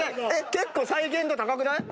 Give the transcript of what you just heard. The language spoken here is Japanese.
⁉結構再現度高くない？